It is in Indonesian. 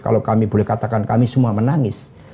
kalau kami boleh katakan kami semua menangis